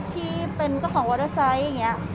ที่เป็นเจ้าของมอเตอร์ไซค์อย่างนี้